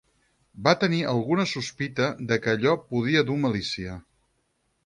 Va tenir alguna sospita de que allò podia dur malicia